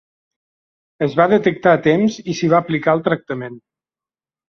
Es va detectar a temps i s'hi va aplicar el tractament.